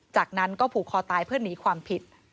จากนั้นก็ผูกคอตายเพื่อหนีความผิด